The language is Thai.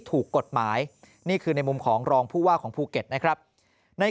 ถูกกฎหมายนี่คือในมุมของรองผู้ว่าของภูเก็ตนะครับใน